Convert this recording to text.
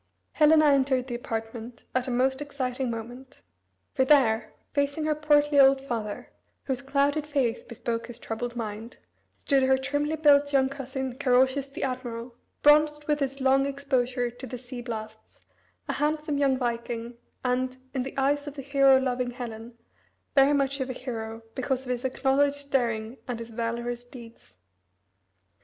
Helena entered the apartment at a most exciting moment. For there, facing her portly old father, whose clouded face bespoke his troubled mind, stood her trimly built young cousin Carausius the admiral, bronzed with his long exposure to the sea blasts, a handsome young viking, and, in the eyes of the hero loving Helen, very much of a hero because of his acknowledged daring and his valorous deeds.